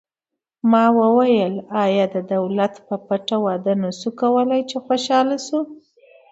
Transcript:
ما وویل: آیا د دولت په پټه واده نه شو کولای، چې خوشحاله شو؟